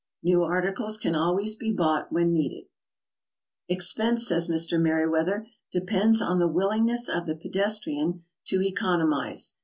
New articles can always be boug'ht when needed. 82 GOING ABROAD? "Expense," says Mr. Meriwether, "depends on the will ingness of the pedestrian to economize.